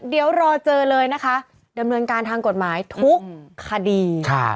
เดี๋ยวรอเจอเลยนะคะดำเนินการทางกฎหมายทุกคดี